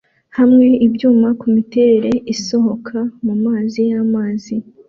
hamwe ibyuma kumiterere isohoka mumazi yamazi